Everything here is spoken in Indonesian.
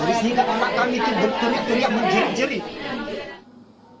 jadi sehingga anak kami itu berteriak teriak menjerit jerit